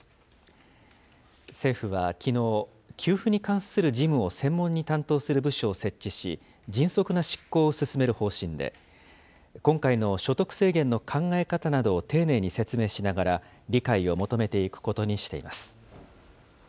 政府はきのう、給付に関する事務を専門に担当する部署を設置し、迅速な執行を進める方針で、今回の所得制限の考え方などを丁寧に説明しながら、理解を求めていくことにしています。